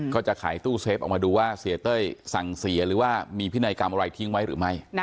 ก็จะขายตู้เซฟออกมาดูว่าเสียเต้ยสั่งเสียหรือว่ามีพินัยกรรมอะไรทิ้งไว้หรือไม่